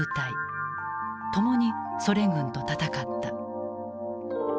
共にソ連軍と戦った。